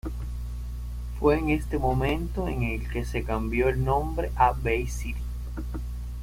Fue en este momento en que se cambió el nombre a Bay City.